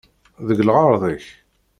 Deg lɣeṛḍ-ik!